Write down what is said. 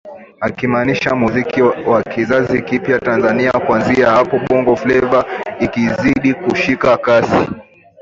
akimaanisha muziki wa kizazi kipya Tanzania Kuanzia hapo Bongo Fleva ikazidi kushika kasi